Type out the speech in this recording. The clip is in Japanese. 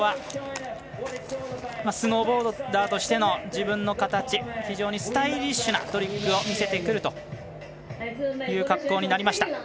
スノーボーダーとしての自分の形、非常にスタイリッシュなトリックを見せてくるという格好になりました。